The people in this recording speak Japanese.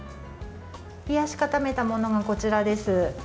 冷やし固めたものがこちらです。